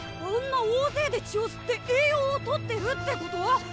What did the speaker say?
あんな大勢で血を吸って栄養をとってるってこと？